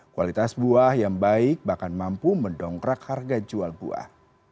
kualitas buah yang baik bahkan mampu mendongkrak harga jual buah